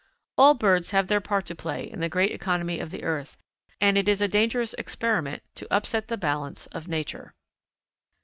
All birds have their part to play in the great economy of the earth, and it is a dangerous experiment to upset the balance of Nature.